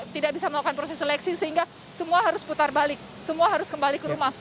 tidak bisa melakukan proses seleksi sehingga semua harus putar balik semua harus kembali ke rumah